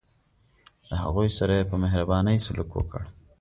له هغوی سره یې په مهربانۍ سلوک وکړ.